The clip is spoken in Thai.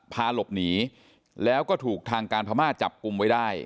พาหลบหนีแล้วก็ถูกทางการพม่าจับกลุ่มไว้ได้